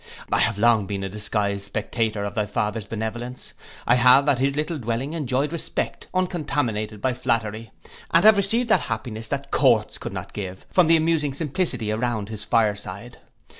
I have long been a disguised spectator of thy father's benevolence. I have at his little dwelling enjoyed respect uncontaminated by flattery, and have received that happiness that courts could not give, from the amusing simplicity around his fire side.